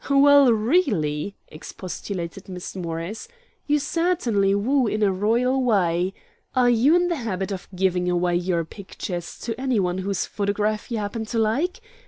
"Well, really," expostulated Miss Morris, "you certainly woo in a royal way. Are you in the habit of giving away your pictures to any one whose photograph you happen to like?